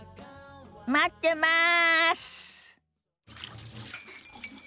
待ってます！